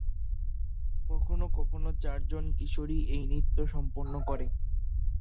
কখনও কখনও চারজন কিশোরী এই নৃত্য সম্পন্ন করে।